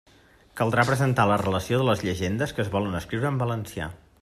Caldrà presentar la relació de les llegendes que es volen escriure en valencià.